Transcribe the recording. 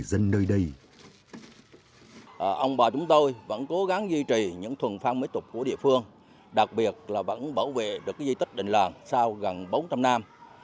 ông bà chúng tôi vẫn cố gắng duy trì những thuần phong mỹ tục của địa phương đặc biệt là vẫn bảo vệ được di tích đình làng sau gần bốn trăm linh năm